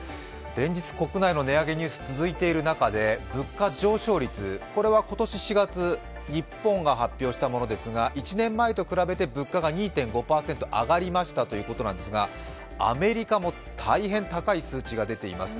連日、国内の値上げニュース続いている中で、物価上昇率、これは今年４月日本が発表したものですが１年前と比べて物価が２．５％上がりましたということなんですがアメリカも大変高い数値が出ています。